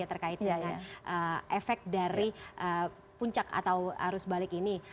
terkait dengan efek dari puncak atau arus balik ini